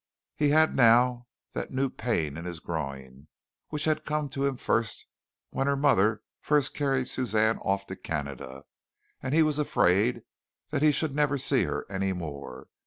He had now that new pain in his groin, which had come to him first when her mother first carried Suzanne off to Canada and he was afraid that he should never see her any more.